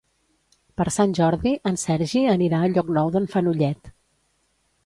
Per Sant Jordi en Sergi anirà a Llocnou d'en Fenollet.